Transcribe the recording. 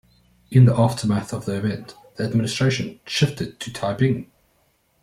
In the aftermath of the event, the administration shifted to Taiping.